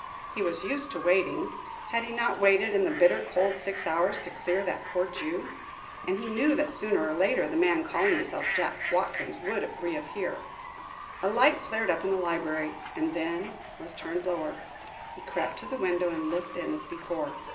He was used to waiting had he not waited in the bitter cold six hours to clear that poor Jew? and he knew that sooner or later the man calling himself Jack Watkins would reappear. A light flared up in the library and then was turned lower. He crept to the window and looked in as before.